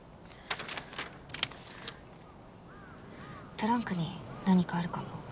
トランクに何かあるかも。